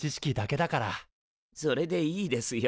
それでいいですよ。